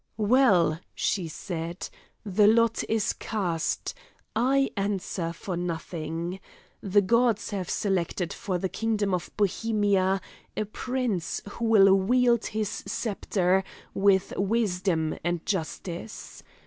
"Well!" she said, "the lot is cast; I answer for nothing. The gods have selected for the kingdom of Bohemia a prince who will wield his sceptre with wisdom and justice.